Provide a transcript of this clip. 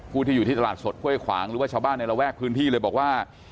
ที่อยู่ที่ตลาดสดห้วยขวางหรือว่าชาวบ้านในระแวกพื้นที่เลยบอกว่า